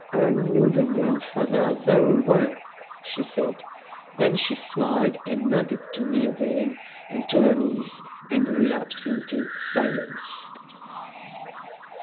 "I knew your grandfather very well," she said. Then she smiled and nodded to me again, and to her niece, and relapsed into silence.